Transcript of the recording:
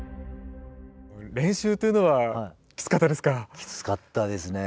練習というのはきつかったですか？